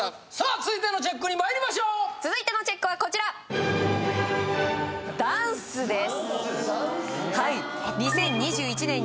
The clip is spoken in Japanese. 続いてのＣＨＥＣＫにまいりましょう続いてのＣＨＥＣＫはこちらダンスです